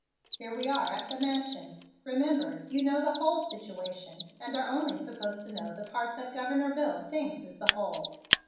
Here we are at the Mansion. Remember, you know the whole situation and are only supposed to know the part that Governor Bill thinks is the whole.